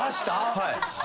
はい。